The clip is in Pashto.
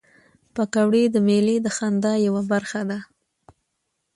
پکورې د میلې د خندا یوه برخه ده